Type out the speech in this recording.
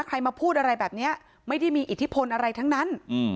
ใครมาพูดอะไรแบบนี้ไม่ได้มีอิทธิพลอะไรทั้งนั้น